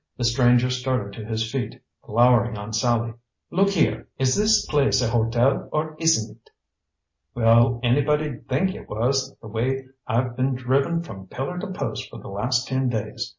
The stranger started to his feet, glowering on Sallie. "Look here! Is this place a hotel, or isn't it?" "Well, anybody'd think it was, the way I've been driven from pillar to post for the last ten days!